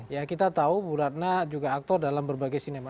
ya kita tahu bu ratna juga aktor dalam berbagai sinema